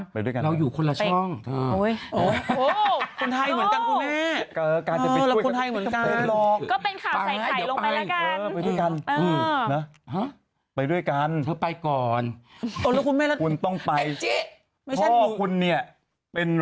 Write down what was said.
ไปด้วยกันไหมล่ะไปด้วยกันแหละไปด้วยกัน